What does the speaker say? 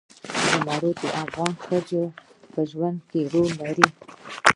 زمرد د افغان ښځو په ژوند کې رول لري.